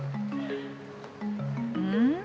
うん？